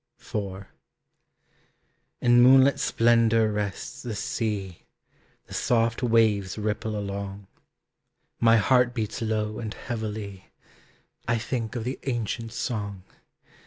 IV. In moonlit splendor rests the sea, The soft waves ripple along. My heart beats low and heavily, I think of the ancient song.